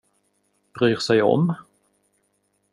Bryr sig om?